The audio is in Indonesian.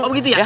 oh begitu ya